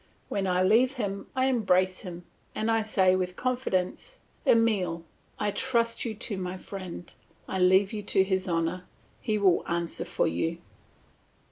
When I leave him I embrace him and I say with confidence: Emile, I trust you to my friend, I leave you to his honour; he will answer for you.